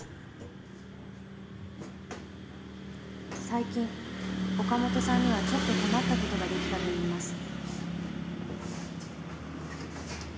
最近岡本さんにはちょっと困った事が出来たと言います。